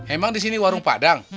emang disini warung padang